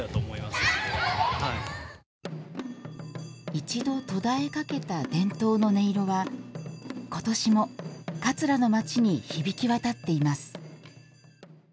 一度、途絶えかけた伝統の音色は今年も桂の町に響き渡っています。